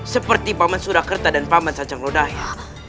seperti paman surakerta dan paman sanjang lodaya